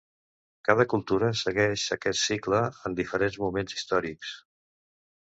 Cada cultura segueix aquest cicle en diferents moments històrics.